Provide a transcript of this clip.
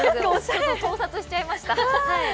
盗撮しちゃいました。